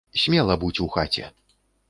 Смела будзь у хаце.